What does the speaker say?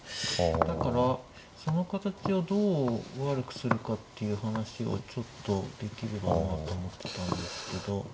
だからその形をどう悪くするかっていう話をちょっとできればなと思ってたんですけど。